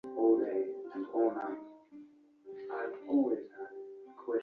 Disitulikiti terina ssente za kuddaabiriza bitaala bya kunguudo.